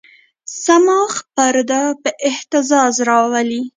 صماخ پرده په اهتزاز راولي.